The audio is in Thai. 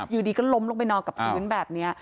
อยู่ดีก็ล้มลงไปนอนกับพื้นแบบนี้